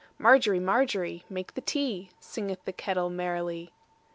Margery, Margery, make the tea, Singeth the kettle merrily.